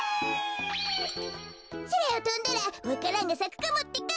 「そらをとんだらわか蘭がさくかもってか」